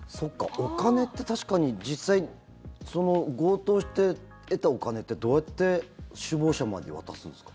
お金って確かに実際、強盗して得たお金ってどうやって首謀者まで渡すんですか？